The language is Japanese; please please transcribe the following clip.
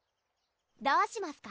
どうしますか？